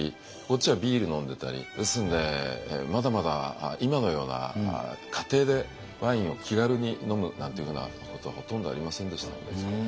こっちはビール飲んでたりですのでまだまだ今のような家庭でワインを気軽に飲むなんていうふうなことはほとんどありませんでしたので。